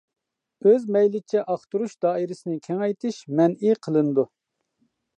ئۆز مەيلىچە ئاختۇرۇش دائىرىسىنى كېڭەيتىش مەنئى قىلىنىدۇ.